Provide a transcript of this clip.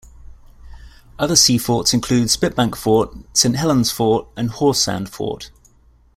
Other sea forts include Spitbank Fort, Saint Helens Fort and Horse Sand Fort.